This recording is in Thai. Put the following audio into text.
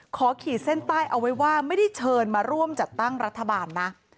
ขีดเส้นใต้เอาไว้ว่าไม่ได้เชิญมาร่วมจัดตั้งรัฐบาลนะ